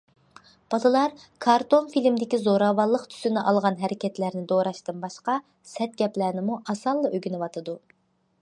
بالىلار كارتون فىلىمدىكى زوراۋانلىق تۈسىنى ئالغان ھەرىكەتلەرنى دوراشتىن باشقا، سەت گەپلەرنىمۇ ئاسانلا ئۆگىنىۋاتىدۇ.